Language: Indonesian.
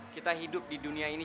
kita hidup di dunia ini